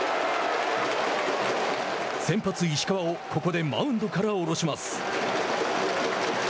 先発石川をここでマウンドからおろします。